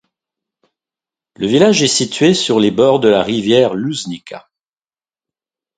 Le village est situé sur les bords de la rivière Lužnica.